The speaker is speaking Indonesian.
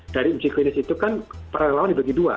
dari uji klinis itu kan para relawan dibagi dua